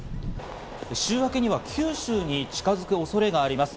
週明けには九州に近づく恐れがあります。